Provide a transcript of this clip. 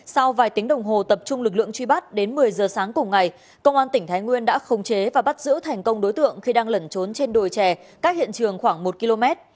sau vài tiếng đồng hồ tập trung lực lượng truy bắt đến một mươi giờ sáng cùng ngày công an tỉnh thái nguyên đã khống chế và bắt giữ thành công đối tượng khi đang lẩn trốn trên đồi trè cách hiện trường khoảng một km